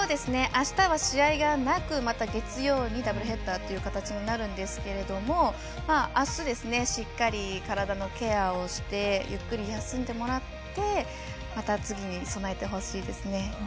あしたは試合がなくまた月曜にダブルヘッダーという形になるんですけれどもあす、しっかり体のケアをしてゆっくり休んでもらってまた次に備えてほしいですね。